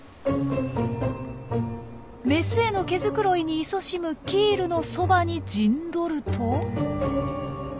メスへの毛づくろいにいそしむキールのそばに陣取ると。